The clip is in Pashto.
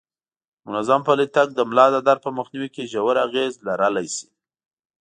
منظم پلی تګ د ملا د درد په مخنیوي کې ژور اغیز لرلی شي.